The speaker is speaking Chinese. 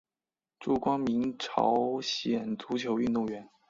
朱光民朝鲜足球运动员。